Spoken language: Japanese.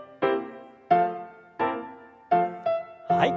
はい。